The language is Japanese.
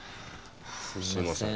すいません。